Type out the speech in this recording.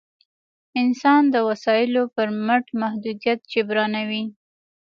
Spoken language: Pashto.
انسان د وسایلو پر مټ محدودیت جبرانوي.